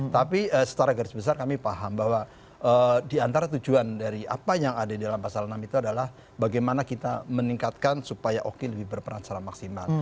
tapi secara garis besar kami paham bahwa diantara tujuan dari apa yang ada di dalam pasal enam itu adalah bagaimana kita meningkatkan supaya oki lebih berperan secara maksimal